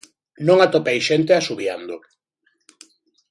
Non atopei xente asubiando.